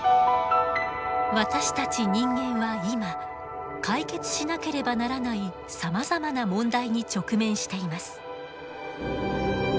私たち人間は今解決しなければならないさまざまな問題に直面しています。